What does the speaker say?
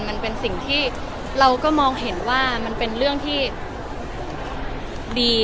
มันเป็นสิ่งที่เราก็มองเห็นว่ามันเป็นเรื่องที่ดี